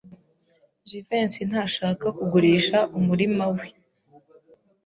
Jivency ntashaka kugurisha umurima we.